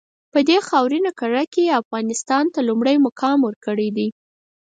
په دې خاورینه کُره کې یې افغانستان ته لومړی مقام ورکړی دی.